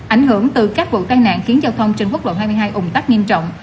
ảnh hưởng từ các vụ tai nạn khiến giao thông trên quốc lộ hai mươi hai ủng tắc nghiêm trọng